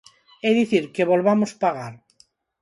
É dicir, que volvamos pagar.